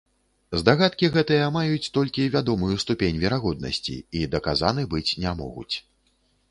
Здагадкі гэтыя маюць толькі вядомую ступень верагоднасці і даказаны быць не могуць.